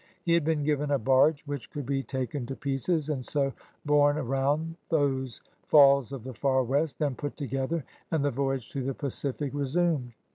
He had been given a baige which could be taken to pieces and so borne around those Falls of the Far West, then put together, and the voyage to the Pacific resumed.